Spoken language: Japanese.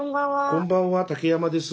こんばんは竹山です。